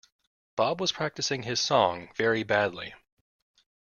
Bob was practising his song, very badly.